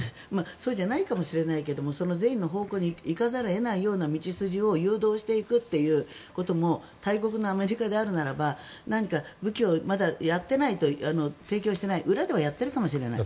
そうじゃないかもしれないけれどもその善意の方向に行かざるを得ないような道筋を誘導していくということも大国のアメリカであるならば何か武器を提供していない裏ではやってるかもしれない。